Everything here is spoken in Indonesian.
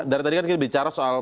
dari tadi kan kita bicara soal